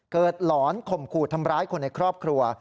หลอนข่มขู่ทำร้ายคนในครอบครัว